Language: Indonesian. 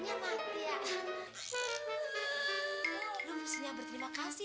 tuhan yang baik tuhan father